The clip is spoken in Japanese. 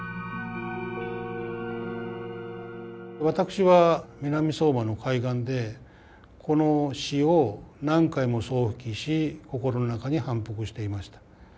私は南相馬の海岸でこの詩を何回も想起し心の中に反復していました。